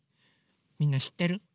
みんなしってる？